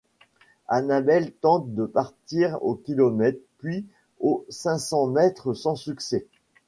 Annabelle tente de partir au kilomètre puis aux cinq cents mètres sans succès.